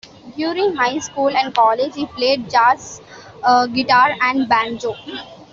During high school and college, he played jazz guitar and banjo.